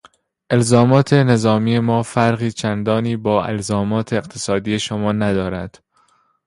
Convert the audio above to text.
الزامات نظامی ما فرق چندانی با الزامات اقتصادی شما ندارد.